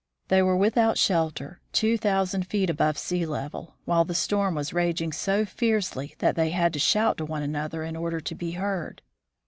They were without shelter, two thousand feet above sea level, while the storm was raging so fiercely that they had to shout to one another in order to be heard.